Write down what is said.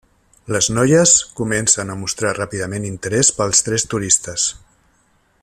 Les noies comencen a mostrar ràpidament interès pels tres turistes.